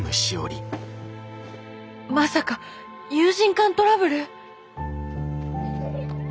まさか友人間トラブル！？